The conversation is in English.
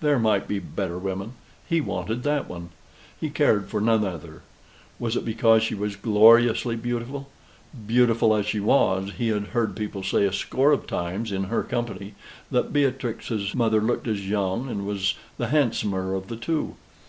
There might be better women he wanted that one. He cared for none other. Was it because she was gloriously beautiful? Beautiful as she was, he had heard people say a score of times in their company that Beatrix's mother looked as young, and was the handsomer of the two.